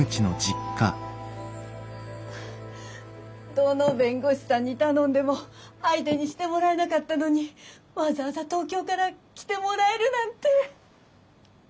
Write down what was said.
どの弁護士さんに頼んでも相手にしてもらえなかったのにわざわざ東京から来てもらえるなんて。